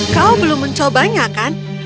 kau belum mencobanya kan